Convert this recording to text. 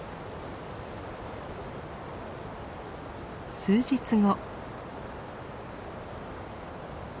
数日後。